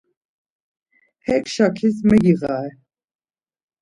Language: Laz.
Hek şakis megiğare.